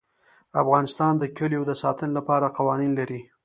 افغانستان د کلیو د ساتنې لپاره قوانین لري.